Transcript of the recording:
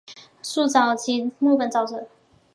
树沼即木本沼泽。